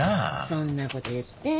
そんなこと言って。